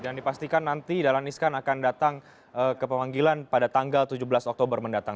dan dipastikan nanti dalan iskan akan datang ke pemanggilan pada tanggal tujuh belas oktober mendatang